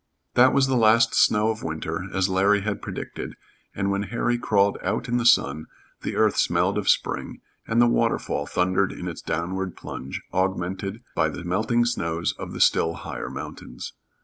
That was the last snow of winter, as Larry had predicted, and when Harry crawled out in the sun, the earth smelled of spring, and the waterfall thundered in its downward plunge, augmented by the melting snows of the still higher mountains.